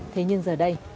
thế nhưng giờ đây